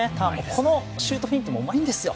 このシュートフェイントもうまいんですよ。